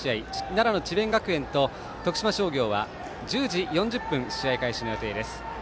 奈良の智弁学園と徳島商業は１０時４０分試合開始の予定です。